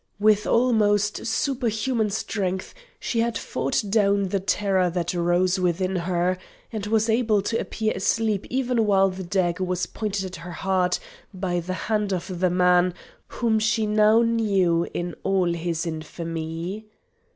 With almost superhuman strength she had fought down the terror that rose within her, and was able to appear asleep even while the dagger was pointed at her heart by the hand of the man whom she now knew in all his infamy.